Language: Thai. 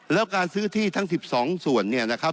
และซื้อที่ทั้งสิบสองส่วนเนี่ยนะครับ